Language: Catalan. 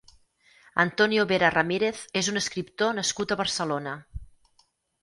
Antonio Vera Ramírez és un escriptor nascut a Barcelona.